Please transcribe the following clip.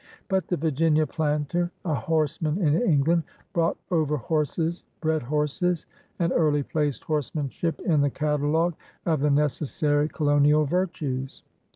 But the Virginia planter — a horseman in England — brought over horses, bred horses, and early placed horseman ship in the catalogue of the necessary colonial virtues.